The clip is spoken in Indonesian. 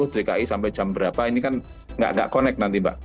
dki sampai jam berapa ini kan nggak connect nanti mbak